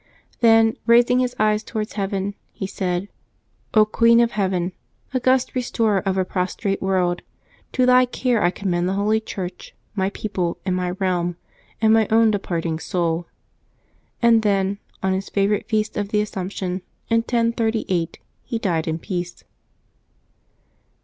Then, raising his eyes towards heaven, he said, " Queen of Heaven, august restorer of a pros trate world, to thy care I commend the Holy Church, my people, and my realm, and my own departing soul/' And then, on his favorite feast of the Assumption, in 1038, he died in peace.